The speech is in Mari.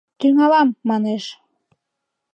— Тӱҥалам, — манеш.